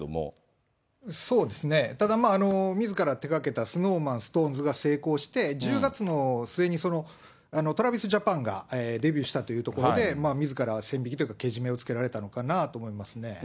ただ、みずから手がけたＳｎｏｗＭａｎ、ＳｉｘＴＯＮＥＳが成功して、１０月の末に、ＴｒａｖｉｓＪａｐａｎがデビューしたというところで、みずから線引きというか、けじめをつけられたのかなと思いますね。